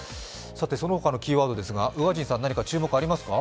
そのほかのキーワードですが、宇賀神さん、何か注目はありますか？